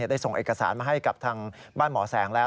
ได้ส่งเอกสารมาให้กับทางบ้านหมอแสงแล้ว